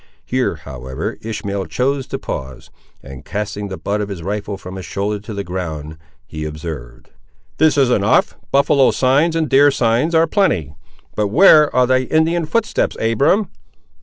Here, however, Ishmael chose to pause, and casting the butt of his rifle from his shoulder to the ground, he observed— "This is enough. Buffaloe signs, and deer signs, ar' plenty; but where ar' thy Indian footsteps, Abiram?"